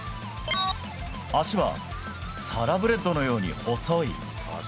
足は、サラブレッドのように細い。